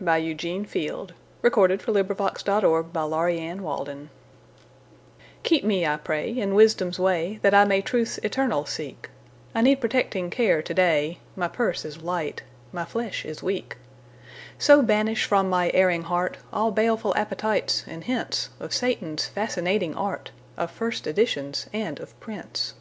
1912. Eugene Field 1850–1895 Eugene Field 224 The Bibliomaniac's Prayer KEEP me, I pray, in wisdom's wayThat I may truths eternal seek;I need protecting care to day,—My purse is light, my flesh is weak. So banish from my erring heartAll baleful appetites and hintsOf Satan's fascinating art, Of first editions, and of prints.